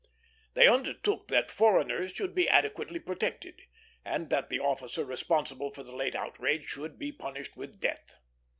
They undertook that foreigners should be adequately protected, and that the officer responsible for the late outrage should be punished with death.